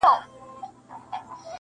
قاسم یاره چي سپېڅلی مي وجدان سي,